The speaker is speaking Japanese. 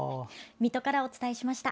水戸からお伝えしました。